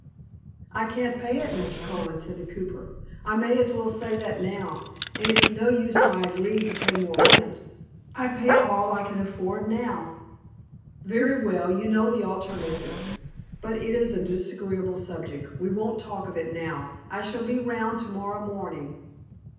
"I can't pay it, Mr. Colman," said the cooper; "I may as well say that now; and it's no use my agreeing to pay more rent. I pay all I can afford now." "Very well, you know the alternative. But it is a disagreeable subject. We won't talk of it now; I shall be round to morrow morning.